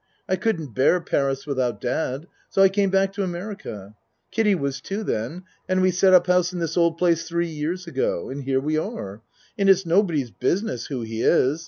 I couldn't bear Paris without dad, so I came back to Amer ica. Kiddie was two then, and we set up house in this old place three years ago and here we are and it's nobody's business who he is.